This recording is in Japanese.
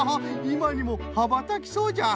いまにもはばたきそうじゃ！